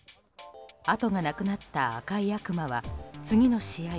あとがなくなった赤い悪魔は次の試合